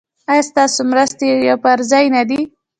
ایا ستاسو مرستې پر ځای نه دي؟